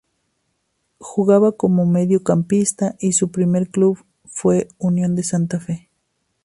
Jugaba como mediocampista y su primer club fue Unión de Santa Fe.